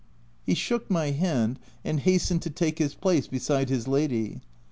He shook my hand and hastened to takehis place beside his lady.